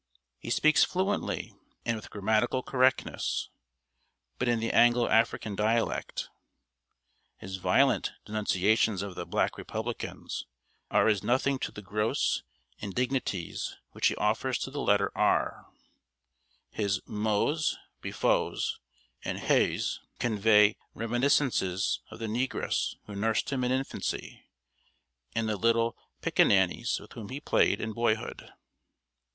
He speaks fluently, and with grammatical correctness, but in the Anglo African dialect. His violent denunciations of the Black Republicans are as nothing to the gross indignities which he offers to the letter r. His "mo's," "befo's," and "hea's" convey reminiscences of the negress who nursed him in infancy, and the little "pickaninnies" with whom he played in boyhood.